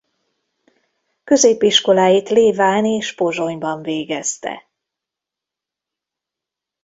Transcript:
Középiskoláit Léván és Pozsonyban végezte.